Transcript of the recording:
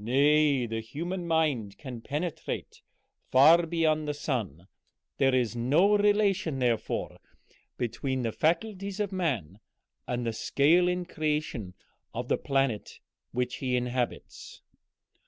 Nay, the human mind can penetrate far beyond the sun. There is no relation, therefore, between the faculties of man and the scale in creation of the planet which he inhabits."